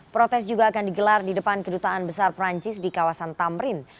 protes juga akan digelar di depan kedutaan besar perancis di kawasan tamrin